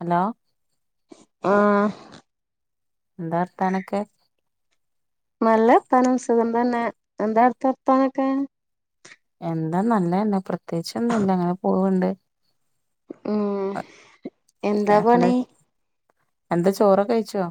Hello ആഹ് എന്താ വർത്താനൊക്കെ നല്ല പനം സുഖം തന്നെ എന്താ അടുത്ത വർത്തനൊക്കെ എന്താ നല്ലന്നെ പ്രത്യേകിച്ചൊന്നുല്ല അങ്ങനെ പോണുണ്ട് ഉം എന്താ പണി എന്താ ചോറക്കെ കഴിച്ചോ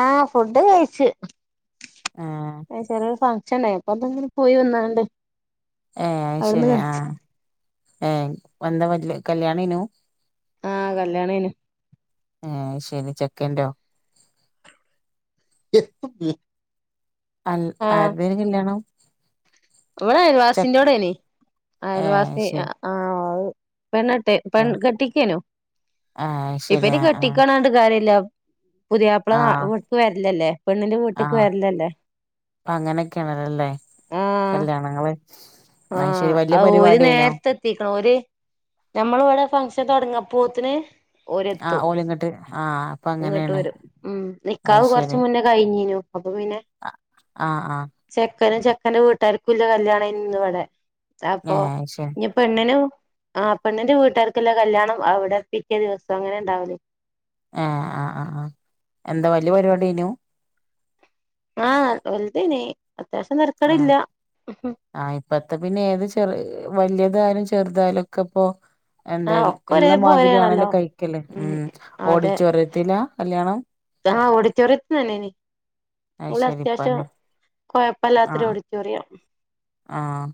ആഹ് ഫുഡ് കഴിച്ചു ഏഹ് ഏ ചെറിയൊരു ഫങ്ഷൻ [unintelligible] ഒന്നങ്ങനെ പോയി വന്നാണ്ട് ഏ അവിടുന്ന് ശെരി ആ കഴിച്ച് ഏ വന്നാ പല്ല് കല്യാണയിന്നു ആ കല്യാണേന് ഏ ശനി ചെക്കണ്ടോ [unintelligible] അൽ ആഹ് ആരുടെയാ കല്യാണം ഇവിടെ ചെക്ക് അയൽവാസിന്റോടെനി ഏഹ് അയൽവാസി അത് ശരി അ ആഹ് വ് പെണ്ണേട്ടി പെൺ ഏഹ് കെട്ടിക്കെനു ആഹ് അത് ഇപ്പ ശരി ഇനി ആഹ് ആഹ് കെട്ടിക്കണാണ്ട് കാര്യല്ല പുതിയാപ്പള നാ ആഹ് ഇവിട്ക്ക് വരല്ലല്ലേ പെണ്ണിന്റെ വീട്ടിക്ക് വരല്ലല്ലേ അങ്ങനെക്കെയാണല്ലല്ലേ ആഹ് കല്യാണം എന്ന വെച്ച് അത് ശരി വല്യ ആഹ് ഓര് പരിപാടിയ്നോ നേരത്തെ എത്തിക്കണം ഓര് ഞമ്മൾ ഇവിടെ ഫംഗ്ഷൻ തുടങ്ങ പോത്തിന് ഓരെത്തു ആഹ് ഓലിങ്ങട്ട് ആഹ് അപ്പ ഇങ്ങോട്ട് അങ്ങനേണ് വരും ഉം അത് നിക്കാഹ് കൊറച്ച് ശരി മുന്നേ കഴിഞ്ഞീനു അപ്പൊ ആഹ് ആഹ് ക്കനും ചെക്കന്റെ വീട്ടുകർക്കും ഇല്ല കല്യാണം ഇന്ന് ഇവിടെ അപ്പൊ ഏഹ് അത് ശരി ഇഞ്ഞി പെണ്ണിന് ആഹ് പെണ്ണിന്റെ വീട്ടുകാർക്കെല്ലാം കല്യാണം അവിടെ പിറ്റെ ദിവസം അങ്ങനെ ഉണ്ടാവല് ഏഹ് ആഹ് ആഹ് ആ എന്താ വലിയ പരിപാടിയ്നു ആഹ് വല്തിനി ആഹ് ആ ഇപ്പത്തെ പിന്നെ ഏത് ചെറ് വല്യ തായാലും ചെറുതായാലും ഒക്കെ ഇപ്പോ എന്താ ആഹ് ഒക്കെ ഇള്ള ഒരേ മാതിരിയാണല്ലേ പോലെയാണല്ലോ കഴിക്കല് ഉം ഓഡിറ്റോറിയത്തില കല്യാണം ആഹ് ഓഡിറ്റോറിയത്തി തന്നെ നി അത് ഇവളെ ശരി അത്യാവശ്യം ഇപ്പന്നെ കോഴപ്പല്ലാത്തൊരു ആഹ് ഓഡിറ്റോറിയം ആഹ്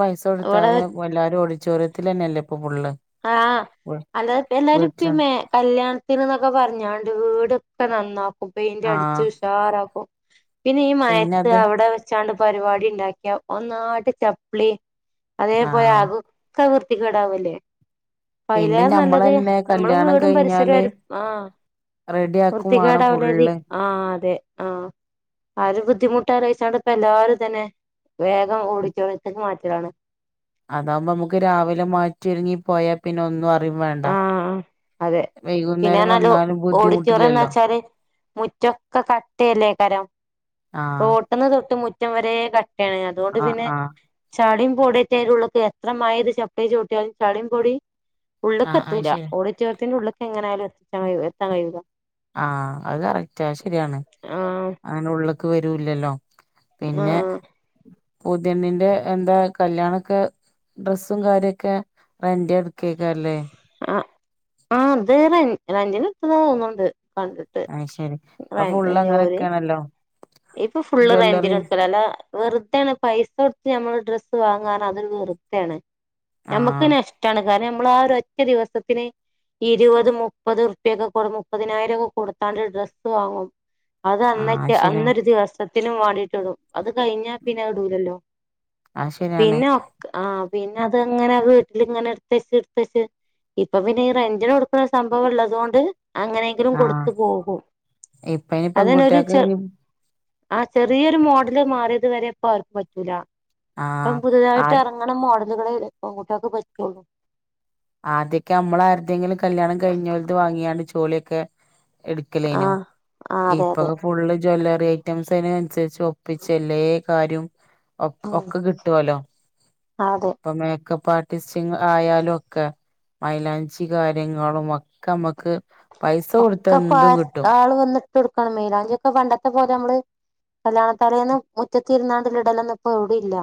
പൈസ ഇവിടെ കൊടുത്താല് എല്ലാരും ഓഡിറ്റോറിയത്തിലന്നെല്ലേ ഇപ്പൊ ഫുള്ള് ആഹ് വ് അല്ലാതെ എല്ലാരും പ്പി വീട്ടില് മേ കല്യാണത്തിന്ന്നൊക്കെ പറഞ്ഞോണ്ട് വ് ഇവിടൊക്കെ നന്നാക്കും പെയിന്റ് ആഹ് അടിച്ച് ഉഷാറാക്കും പിന്നെ ഈ മയത്ത് അവിടെ വെച്ചാണ്ട് പരിപാടി ഇണ്ടാക്കിയ ഒന്നായിട്ട് ചപ്പ്ളി അതേ ആഹ് പോയാകും ക്കെ വൃത്തിക്കേടാവല്ലേ പിന്നെ പൈലേറെ നല്ലത് ഞമ്മളെന്നെ ഞമ്മള് കല്യാണം വീടും പരിസരോം കഴിഞ്ഞാല് ര് ആഹ് റെഡി ആക്കും വാണം വൃത്തികേടാവലെതി ഫുള്ള് ആഹ് അതെ ആഹ് ആ ഒര് ബുദ്ധിമുട്ട് ആരോചിക്കാണ്ട് ഇപ്പ എല്ലാരും ഇതന്നെ വേഗം ഓഡിറ്റോറിയത്തില് മാറ്റലാണ് അതാവുമ്പോ നമുക്ക് രാവിലെ മാറ്റിരുങ്ങി പോയാ പിന്നെ ഒന്നും അ ആഹ് അതെ വൈകുന്നേരം പിന്നെന്നാല്ലോ വന്നാലും ഓഡിറ്റോറിയം എന്ന് ബുദ്ധിമുട്ടില്ലല്ലോ വെച്ചാല് മുറ്റൊക്കെ കട്ടയല്ലേകരം ആഹ് റോട്ടിന്ന് തൊട്ട് മുറ്റം വരെ ക ക്കേണ് അതുകൊണ്ട് ആഹ് പിന്നെ ആഹ് ചാടി പൊടിറ്റയ്നുള്ളക്ക എത്ര മായ്രി ചപ്പേച്ചോട്ടിയാലും ചളീം പൊടിം ഉള്ളൊക്കെ ആഹ് അയ് എത്തൂല്ല ശരിയാ ഓഡിറ്റോറിയത്തിന്റെ ഉള്ളൊക്കേങ്ങനായാലും എതാൻ എത്താൻ കഴിയുല്ല ആഹ് അത് കറക്റ്റാ ശരിയാണ് അങ്ങനെ ഉള്ളേക്ക് വരൂല്ലല്ലോ ആഹ് പിന്നെ ആഹ് പുതിയണ്ണിന്റെ എന്താ കല്യാണൊക്കെ ഡ്രസ്സും കാര്യൊക്കെ റെന്റ് ഏണ് ആഹ് ആ അതെ റെൻ റെന്റിന് എടുത്തതാ തോന്നുണ്ട് കണ്ടിട്ട് അയ് ശരി ഇപ്പൊ ഫുള്ള് റെൻറിനിഓര് അങ്ങനൊക്കെയാണല്ലോ ഇപ്പൊ ഫുള്ള് ജ്വല്ലറി റെന്റിനെടുക്കലല്ലേ വെറുതെയാണ് പൈസ കൊടുത്ത് ഞമ്മൾ ഡ്രസ്സ് വാങ്ങാറ് അതൊരു വെറുത്തയാണ് നമ്മുക്ക് ആഹ് നഷ്ടണ് കാരണം നമ്മളാ ഒരൊറ്റ ദിവസത്തിന് ഇരുപത് മുപ്പത് റുപ്യൊക്കെ കൊടു മുപ്പതിനായിരം ഒക്കെ കൊടുത്താണ്ട് ഡ്രസ്സ് വാങ്ങു അത് ആഹ് അത് ശരിയാ അന്നെറ്റ സത്തിനും വാണ്ടിട്ട്ടും അത് കഴിഞ്ഞാ പിന്നെ അത് ഇടൂലല്ലോ അത് ശരിയാണ് പിന്നെ ഒക്ക് ആഹ് പിന്നെ അത് അങ്ങനത് വീട്ടില് ഇങ്ങനെ എടുത്തച്ച് എടുത്തച്ച് ഇപ്പൊ പിന്നെ ഈ റെന്റിന് കൊടുക്കുന്ന സംഭവംള്ളതുകൊണ്ട് അങ്ങനെങ്കിലും ആഹ് കൊടുത്തു പോകും ഇപ്പ അയിന് അതൊരു പെൺകുട്ടികൾക്ക് ച ആ ചെറിയൊരു മോഡല് മാറിയത് വരെ ഇപ്പ ആർക്കും പറ്റൂല ഇപ്പം ആഹ് ആ പുതുതായിട്ട് ഇറങ്ങണ മോഡലുകളെ പെൺകുട്ടികക്ക് പറ്റുള്ളൂ ആദ്യൊക്കെ നമ്മളാരുടേങ്കിലും കല്യാണം കഴിഞ്ഞവര്ത് വാങ്ങിയാണ് ജോളിയൊക്കെ എടുക്കലേനു ആഹ് ആ അതെ അതെ ഇപ്പൊക്കെ ഫുള്ള് ജ്വല്ലറി ഐറ്റംസ് അനുസരിച്ച് ഒപ്പിച്ച് എല്ലേ കാര്യം ഒ ഒക്കെ കിട്ടുവല്ലോ. ആ അതെ. പാട്ടി [unintelligible] ആയാലും ഒക്കെ മൈലാഞ്ചി കാര്യങ്ങളും ഒക്കെ മ്മക്ക് പൈസ കൊടുത്ത എന്തും കിട്ടും. ഇടുക്കണം മേലാഞ്ചി ഓക്കെ പണ്ടത്തെ പോലെ നമ്മള് കല്യാണത്താലെന്ന് മുറ്റത്തിരുന്നാണ്ട്ള്ള ഇടല്ലോനും ഇപ്പോ എവിടെയും ഇല്ല.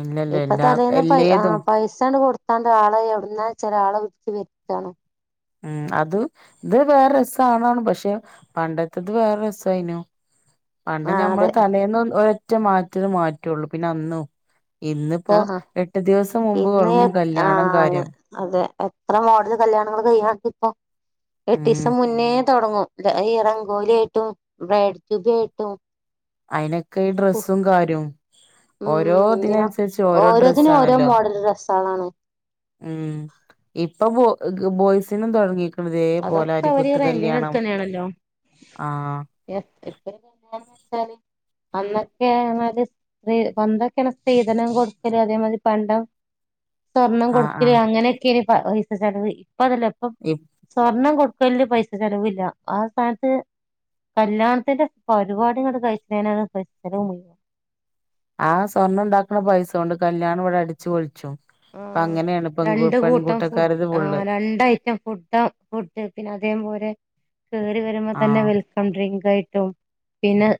ഇല്ലല്ലോ ഇപ്പൊ എല്ലാ തലേന്ന് പൈ ആ എല്ലേതും പൈസണ്ട് കൊടു എത്താണ്ട് ആളെ എവിടന്നാ ചെല ആളെ വിട്ട് വേര്താണ്. ഉം അത് ഇത് വേറെ രസാണാണ് പക്ഷെ പണ്ടത്തത് വേറെ രസായിനു. പണ്ട് ആഹ് ഞമ്മള് അതെ തലേന്ന് ഒരൊറ്റ മാറ്റൽ മാറ്റുള്ളു പിന്നെ അന്നും. ഇന്നിപ്പോ ആഹ് ആഹ് എട്ട് ദിവസം മുമ്പ് ഇന്ന് തുടങ്ങും കല്യാണം കാര്യം. ഇത്ര മോടുൽ കല്യാണങ്ങള് കഴിയിണ്ട് ഇപ്പോ ഉം എട്ടീസം മുന്നേ തുടങ്ങും. എറംഗോലി ആയിട്ടും ബ്രെഡ് ട്ട്യൂബി ആയിട്ടും. അയിനൊക്കെ ഈ ഡ്രസ്സും കാര്യവും ഉം ഓരോ എന്തിനാ ഇതിനനുസരിച്ച് ഓരോ ഡ്രസ്സ് ആണല്ലോ. തളാണ്. ഉം ഇപ്പൊ ബോ ബോയ്സിനും തൊടങ്ങി അതൊക്കെ അവര് റെന്റ്റിന് എഡ്കണേണല്ലോ. ആഹ് എ എപ്പണ [inaudible] അന്നൊക്കെ പറഞ്ഞാൽ [inaudible] പണ്ടൊക്കെയാണ് സ്ത്രീധനം കൊടുക്കല് അതേ മാതിരി പണ്ടം സ്വർണം ആഹ് കൊടുക്കല് ആഹ് അങ്ങനെയൊക്കെയാണ് പൈസ ചെലവ്. ഇപ്പ അതല്ല ഇപ്പം ഇപ് സ്വർണം കൊടുക്കല് പൈസ ചലവില്ല. ആ സ്ഥാനത്ത് കല്യാണത്തിന്റെ പരിപാടികൾ കഴിക്നേനാണ് പൈസ ചെലവ് മുഴുവനും. ആഹ് സ്വർണ്ണം ഉണ്ടാക്കണ പൈസ കൊണ്ട് കല്യാണം ഇവിടെ അടിച്ച് പൊളിച്ചും ഇപ്പം ആഹ് അങ്ങനെയാണ് പെൺകു രണ്ട് കൂട്ടം ഫുഡ് പെൺകൂട്ടക്കാരത് ആ ഫുള്ള് രണ്ട് ഐറ്റം ഫുഡ്‌ ഫുഡ് പിന്നെ അതേ പോലെ കേറി വരുമ്പോ തന്നെ ആഹ് വെൽക്കം ഡ്രിങ്ക് ആയിട്ടും പിന്നെ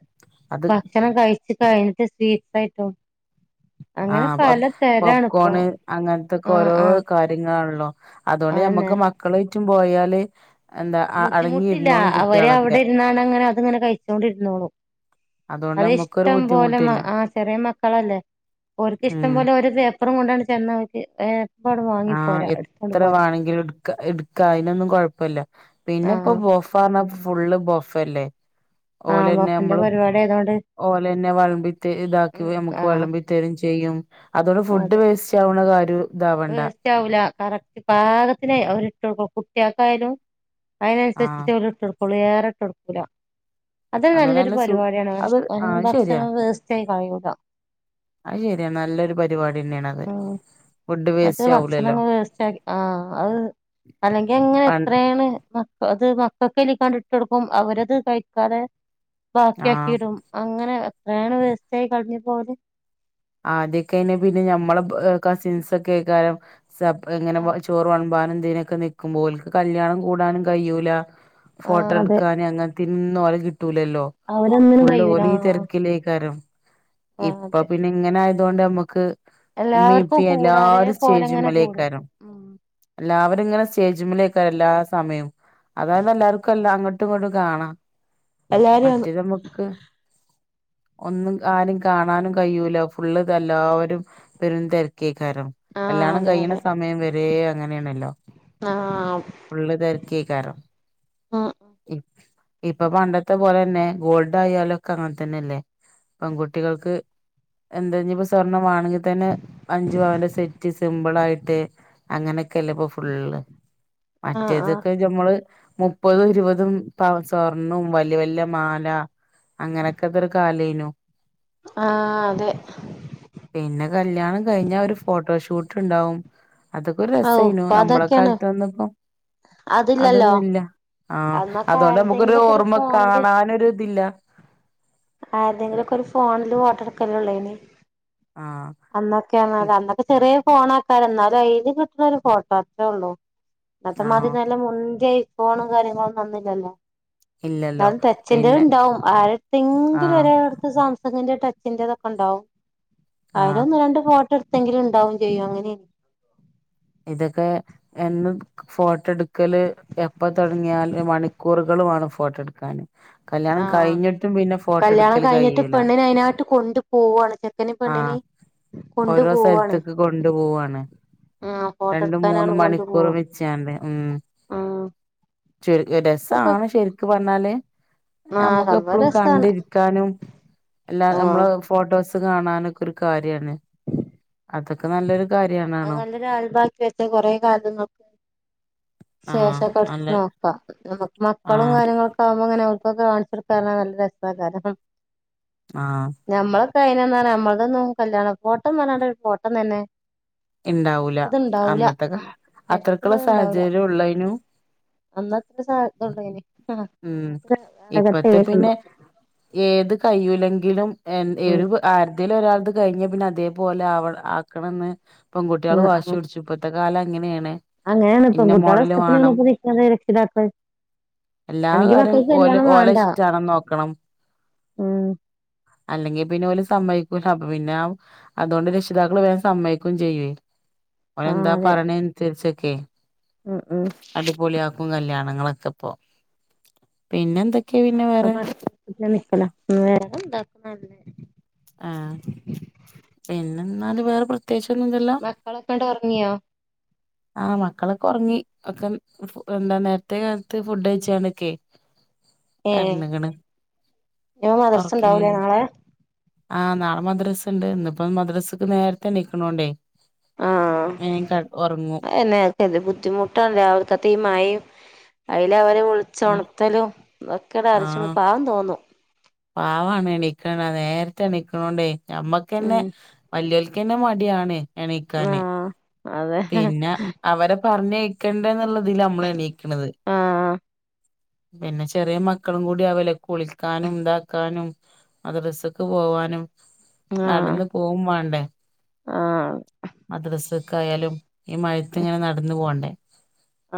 അത് ഭക്ഷണം കഴിച്ച കഴിഞ്ഞിട്ട് സ്വീറ്റ്സ് ആയിട്ടോ അങ്ങനെ പല തരാണ് ഇപ്പോ [unintelligible] അങ്ങനത്തക്കെ ആഹ് ഓരോ ആഹ് കാര്യങ്ങളാണല്ലോ അതുകൊണ്ട് അതന്നെ ഞമ്മക്ക് മക്കള് [unintelligible] പോയാല് എന്താ ബുദ്ധിമുട്ടില്ല അടങ്ങിയിരുന്നോളും അവര് അവിടെ കുട്ടികളൊക്കെ ഇരുന്നാണ് അങ്ങനെ അത്ങ്ങനെ കഴിച്ചോണ്ടിരുന്നോളും. [unintelligible] അത് നമ്മുക്കൊരു ഇഷ്ടം പോലെ ബുദ്ധിമുട്ടില്ല ആ ചെറിയ മക്കളല്ലേ ഒർക്കിഷ്ട്ടം ഉം പോലെ ഒരു പ അപ്പറം കൊണ്ടാണ് ചെന്നവർക്ക് ഏ ആഹ എത്ര വേണമെങ്കിലും എടുക്ക എടുക്ക അതിനൊന്നും കൊഴപ്പില്ല. പിന്നെ ഇപ്പൊ ആഹ് ബൊഫന്ന് ഫുള്ള് ബൊഫല്ലേ. ആ ബഫന്റെ പരിപാടി ആയതോണ്ട് ഓലെ തന്നെ വളമ്പി ഇതാക്കി ഉം നമുക്ക് ആഹ് വളമ്പിത്തരും ചെയ്യും. അതുകൊണ്ട് ഫുഡ് അതെ വേസ്റ്റ് ആവുന്ന കാര്യം ഇതാവണ്ട വേസ്റ്റ് ആവൂല കറക്റ്റ് പാകത്തിന് അവരിട്ടുകൊടുക്കു കുട്ടിയക്കായാലും. ആഹ് അതിനനുസരിചിട്ട് ഓല് ഇട്ട് കൊടുക്കുള്ളൂ ഏറെ ഇട്ട് കൊടുക്കൂല. അത് അതോണ്ട് നല്ലൊരു നല്ല സു പരിപാടിയാണ്. അത് [unintelligible] ആഹ് ശരിയാ ഭക്ഷണം വേസ്റ്റായി കളയൂല. അത് ശെരിയ നല്ലൊരു പരിപാടി തന്നെയാണ്ത് ഉം ഫുഡ് മറ്റേ വേസ്റ്റ് ആവൂലല്ലോ ഭക്ഷണങ്ങൾ വേസ്റ്റാക്കി ആ അത് അല്ലെങ്കി അങ്ങനെ പണ്ട് എത്രയാണ് മ അത് മക്കൾക്കെലിക്കണ്ട് ട്ടോടുക്കും അവരത് കഴിക്കാതെ ആഹ് ബാക്കിയാക്കിയിടും അങ്ങനെ. എത്രയാണ് വേസ്റ്റായി കളഞ്ഞിപോകൽ. ആദ്യക്കെ പിന്നെ ഞമ്മൾ കസിൻസ് ഒക്കെ ആയികാരം സ എങ്ങനെ ആ ചോറ് വളബനും ന്തിനൊക്കെ നിൽക്കുമ്പോ ഓൾക് കല്യാണം കൂടാനും കഴിയൂല. ഫോട്ടോ അതെ എടുക്കാന്അങ്ങനെതിന്നോല റ്റുലല്ലോ ഓ അവരൊന്നിനും ഫുള്ള് കയ്യൂല ഓലി തിരക്കിലെക്കരം ആ ഇപ്പ അതെ പി ഇങ്ങനയത് കൊണ്ട് നമുക്ക് എമ്മി എല്ലാവർക്കും ഇപ്പി കൂടും ഒരേ എല്ലാരും പോലെ സ്റ്റേജു അങ്ങനെ കൂടും മുലെക്കാരം ഉം എല്ലാവരും ഇങ്ങനെ സ് സ്റ്റേജ്മിലൊക്ക എല്ലാ സമയവും അതാന്ന് എല്ലാവർക്കും എല്ലാം അങ്ങോട്ടും ഇങ്ങോട്ടും കാണാം എല്ലാരും ഒന്ന് മറ്റേ നമുക്ക് ഒന്നും ആരും കാണാനും കയൂല ഫുള് ഇത് എല്ലാവരും വെരും തെരക്കേ സാരം ആ കല്യാണം അതെ കഴിയണ അതെ സമയം വരെ അങ്ങനെയണല്ലോ ആ ഉള്ള് തെരക്കിയെക്കരൊ ഉം ആ ഇപ്പൊ പണ്ടത്തെ പോലെ തന്നെ ഗോൾഡയാലോ ക്ക് അങ്ങനെ തന്നെല്ലേ പെൺകുട്ടികൾക്ക് എന്താനിപ്പ സ്വർണ വ ങ്കിൽ തന്നെ അഞ്ചു പവന്റെ സെറ്റ് സിമ്പിൾ ആയി ട്ട് അങ്ങനെയൊക്കെല്ല ഇപ്പ ഫുള്ള് ആ മറ്റേതൊക്കെ നമ്മള് മുപ്പതും ഇരുപതും പവൻ സ്വർണവും വല്ലിയ വല്ലിയ മാല. അങ്ങനെയൊക്കെ ഇതൊരു കാലേനു. ആ അതെ പിന്നെ കല്യാണം കഴിഞ്ഞാ ഒര് ഫോട്ടോഷൂട്ട് ഉണ്ടാവും അതൊക്കൊ ഒരു ഓ രസയിനു ഇപ്പൊ നമ്മളെ അതൊക്കെയാണ് കാലത്ത് വന്നപ്പ അതില്ലല്ലോ അതൊന്നുംല്ല. ആഹ് അന്നൊക്കെ അതുകൊണ്ട് നമുക്കൊരു ആരുടെങ്കിലൊക്കെ ഒരു ഓർമ്മ കാണാനൊരിതില്ല ആര്തെങ്കിലൊക്കൊരു ഫോണിലും ഫോട്ടഎ ക്കെഉളെളനി ആഹ് അന്നൊക്കെയ ഇപ് അന്നൊക്കെ ചെറിയ ഫോൺക്ക എന്നാലും അയി ഒരു ഫോട്ടോ അത്രേ ഉള്ളൂ ഇന്നത്തെ ആഹ് മതിരി നല്ല മുൻന്തി ഫോണും കാര്യങ്ങളും ഒന്നും അന്നില്ലല്ലോ ന ഇല്ലല്ലോ ടച്ചിന്റെ പിന്നെ ഉണ്ടാവും ആരത്തെങ്കിലും ആഹ് ഒരാൾടത്ത് സം സങ്ങിന്റെ ടച്ചിന്റെതൊക്കെ ഉണ്ടാവും ആഹ് അയിലൊന്ന് രണ്ട് ഫോട്ടോ എടു എന്തെങ്കിലും ഉണ്ടാവും ചെയ്യും അങ്ങനെ ഇതൊക്കെ എന്നും ഫോട്ടോ എടു ക്കല് എപ്പ തുടങ്ങിയാല് മണിക്കൂറുകളുമാണ് ഫോട്ടോ എടുക്കാന്. ആ കല്യാണം കഴിഞ്ഞിട്ടും പിന്നെ ഫോട്ടോ കല്ല്യാണം എടുക്കല് കഴിഞ്ഞിട്ട് കഴിയൂല പെണ്ണിനെ അയിതിനാട്ട് കൊണ്ട് പോവുവാണ് ചെക്കന് പെണ്ണ് ആഹ് ണിന് ഓരോ സ്ഥലത്തേക്ക് കൊണ്ടു പോവാണ്. ആഹ് ഫോട്ടോ രണ്ട് മൂന്ന് എടുക്കാനാണ് കൊണ്ടു മണിക്കൂർ പോവാ വിച്ചണ്ട് ഉം ഉം ചുരു ഒക്കെ രസാണ് ശെരിക്ക് പറഞ്ഞാല് ആഹ് നമ്മുക്ക് സംഭവം എപ്പോഴും രസാണ് കണ്ടിരിക്കാനും എല്ലാ നമ്മള ആഹ് ഫോട്ടോസ് കാണാനൊക്കെ ഒരു കാര്യാണ് അതൊക്കെ നല്ലൊരു കാര്യണാണോ പ്പഴ്ത്ത കൊറെ കാലത്ത് ന ആഹ് ശേഷക്കെ എടുത്ത് നല്ല നോക്കാം മക്കളും ആഹ് കാര്യങ്ങളൊക്കെ ആവുമ്പോ ഇങ്ങനെ അവൾക്കൊക്കെ കാണിച്ചെടുക്കാ നല്ല രസാകാരണം ആഹ് അതിനെന്ന നമ്മളുടെന്നും കല്യാണം ഫോട്ടം പറയൊ ഒരു ഫോട്ടം തന്നെ ഇണ്ടാവൂല ത്ണ്ടാവൂല അന്നത്തെ കാ മ് അത്രക്കുള്ള പെടുത്തുള്ളത് ഉണ്ടാവുല സാഹചര്യം ഉള്ളേനു അന്നത്തെ സാധ്യതണ്ടോ ഇനി അഹ് ഉം അങ്ങനത്തെ ഇപ്പത്തെ പിന്നെ ഏത് കയ്യുല്ലെങ്കിലും എ ഉം എഴുപ് ആരുതേൽ ഒരാൾ ത് കഴിഞ്ഞ പിന്നെ അതേപോലെ അവണ ആക്കണന്ന് പെൺകുട്ടികള് ആഹ് വാശി ആഹ് പിടിച്ചു ഇപ്പഴത്തെ കാലം ഇങ്ങനെയാണ് അങ്ങനെയാണ് ഇപ്പം പെൺകുട്ടികളെ ഇഷ്ടത്തിനാണ് നിക്കുന്ന രക്ഷിതാക്കള് എല്ലാ അല്ലെങ്കി കാര്യം മക്കൾക്ക് ഓല് കല്യാണം ഓല വേണ്ട ഇഷ്ടണാന്ന് നോക്കണം ഉം അല്ലെങ്കി പിന്നെ ഓല് സമ്മതിക്കൂല അപ്പ പിന്നെ അതുകൊണ്ട് രക്ഷിതാക്കള് വേഗം സമ്മക്കും ചെയ്കയും ഓൻ ആഹ് എന്താ അതെ പറയണെനുസരിച്ചൊക്കെ ഉം ഉം അടിപൊളി അക്കും കല്യാണങ്ങളൊക്കെ ഇപ്പോ പിന്നെ എന്തൊ അപ്പൊ [unintelligible] ആഹ് പിന്നെ എന്നാല് വേറെ പ്ര മക്കളൊക്കെണ്ട് ഉറങ്ങിയോ ആഹ മക്കളൊക്കെ ഉറങ്ങി ഒക്കെ എന്താ നേരത്തെ കാലത്ത് ഫുഡ് കഴിച്ചണൊക്കെ ഏഹ് കണങ്ങണ് ഇനി മദ്രസ ഉർക്ക ഇണ്ടാവൂലേ നാളെ ആഹ് നാളെ മദ്രസ്ഇണ്ട് ഇന്നിപ്പോ മദ്രസക്ക് നേരത്തെ എണിക്കണോണ്ട് ആഹ എന്നെയൊക്കെ എ ബുദ്ധിമുട്ടാണ്ട് രാവിൽകാതെ മഴയും അയില അവര് വിളിച്ച ഉണത്തലോ ഇതൊക്കെട ആഹ് ആരച്ച പാവം തോന്നു പാവാണ് എണിക്കണ നേരത്തെ എണിക്കണോണ്ടേ നമ്മക്ക്ന്നെ ഉം വലിയ മടിയാണ് എണീക്കാന് ആഹ് അതെ പിന്നെ അവരെ പറഞ്ഞക്കണ്ടന്നുള്ളതില് നമ്മള എണീക്കണുന്നത് ആഹ് പിന്നെ ചെറിയ മക്കളും കൂടി അവല കുളിക്കാനും ഉണ്ടാക്കാനും മദ്രസക്ക് പോവാനും ആഹ് നടന്ന പോകും വേണ്ടേ ആഹ് മദ്രസക്ക ആയാലും ഈ മഴത്ത് ഇങ്ങനെ നടന്നു പോകണ്ടേ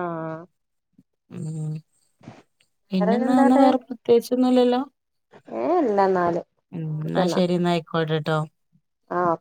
ആഹ് മം പിന്നെന്നാന്ന വേറെന്താണ് വേറെ പ്രത്യേകിച്ചൊന്നും ഇല്ലല്ലോ ഏഹ് ഇല്ലന്നാല് എന്നാ ഓക്കെന്നാ ശരി എന്നയിക്കോട്ടട്ടോ ആഹ്